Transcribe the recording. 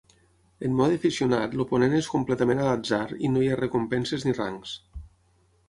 En mode aficionat l'oponent és completament a l'atzar i no hi ha recompenses ni rangs.